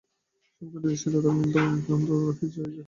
সব কটিতেই শীতাতপ নিয়ন্ত্রণ যন্ত্র রয়েছে।